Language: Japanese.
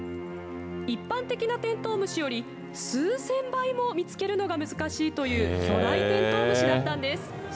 一般的なテントウムシより数千倍も見つけるのが難しいという、巨大テントウムシだったんです。